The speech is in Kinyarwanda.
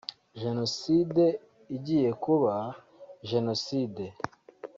jenoside igiye kuba jenoside